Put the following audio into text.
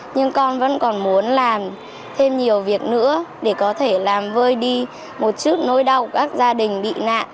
nhưng con vẫn còn muốn làm thêm nhiều việc nữa để có thể làm vơi đi một chút nỗi đau các gia đình bị nạn